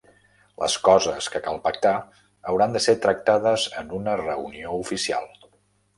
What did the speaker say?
Les coses que cal pactar hauran de ser tractades en una reunió oficial.